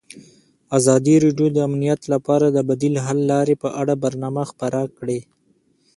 ازادي راډیو د امنیت لپاره د بدیل حل لارې په اړه برنامه خپاره کړې.